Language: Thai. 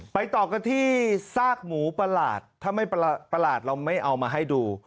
ต่อกันที่ซากหมูประหลาดถ้าไม่ประหลาดเราไม่เอามาให้ดู